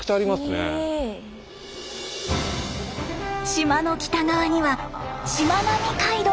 島の北側にはしまなみ海道の橋脚が。